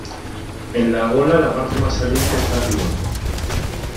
En la gola la parte más saliente está arriba.